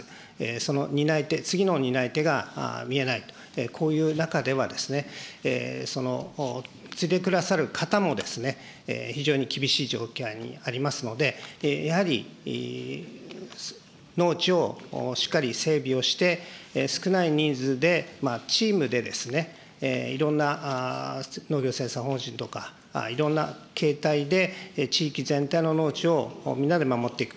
その担い手、次の担い手が見えないと、こういう中では、継いでくださる方も非常に厳しい状況にありますので、やはり農地をしっかり整備をして、少ない人数でチームで、いろんな農業生産法人とか、いろんな経営体で地域全体の農地をみんなで守っていく。